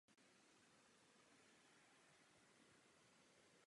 Zpráva tvrdí, že by se ženy měly samy rozhodnout.